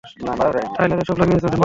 Tyler এসব লাগিয়েই চলেছে।